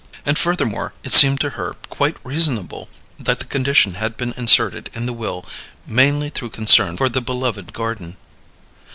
And furthermore, it seemed to her quite reasonable that the condition had been inserted in the will mainly through concern for the beloved garden.